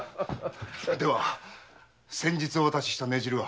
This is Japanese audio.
では先日お渡しした根汁は。